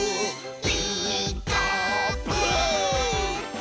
「ピーカーブ！」